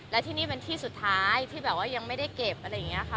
และที่นี่เป็นที่สุดท้ายที่แบบว่ายังไม่ได้เก็บอะไรอย่างนี้ค่ะ